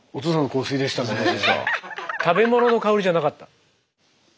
食べ物の香りじゃなかった。